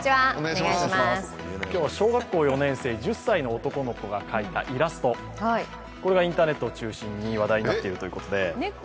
今日は小学校４年生、１０歳の男の子が描いたイラスト、これがインターネットを中心に話題になっているということで。